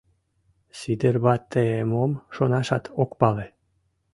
— Сидыр вате мом шонашат ок пале.